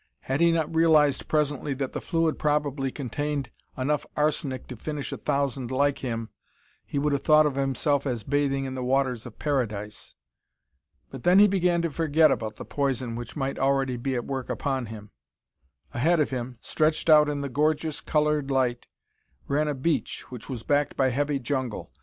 Had he not realized presently that the fluid probably contained enough arsenic to finish a thousand like him, he would have thought of himself as bathing in the waters of Paradise. But then he began to forget about the poison which might already be at work upon him. Ahead of him, stretched out in the gorgeous, colored light, ran a beach which was backed by heavy jungle.